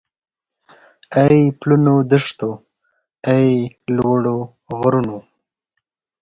اې پلنو دښتو اې لوړو غرونو